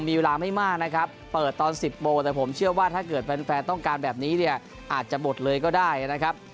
มีเวลาไม่มากนะครับเปิดตอน๑๐โมงแต่ผมเชื่อว่าถ้าเกิดแฟนต้องการแบบนี้เนี่ยอาจจะหมดเลยก็ได้นะครับ